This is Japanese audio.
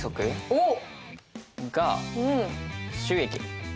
おっ！が収益。